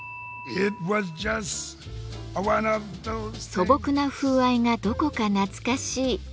素朴な風合いがどこか懐かしい。